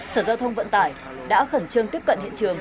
sở giao thông vận tải đã khẩn trương tiếp cận hiện trường